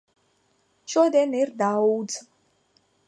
Šodien ir daudz.